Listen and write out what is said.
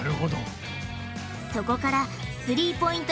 そこからスリーポイント